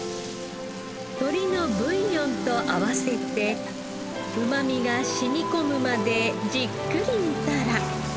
鶏のブイヨンと合わせてうまみが染み込むまでじっくり煮たら。